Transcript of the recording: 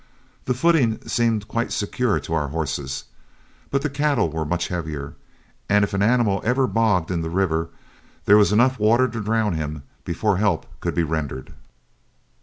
The footing seemed quite secure to our horses, but the cattle were much heavier; and if an animal ever bogged in the river, there was water enough to drown him before help could be rendered.